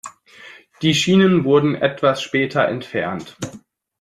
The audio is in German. Die Schienen wurden etwas später entfernt.